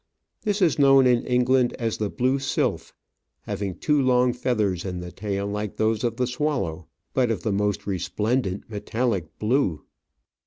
This is known in England as the Blue Sylph, having two long feathers in the tail like those of the swallow, but of the most resplendent metallic blue.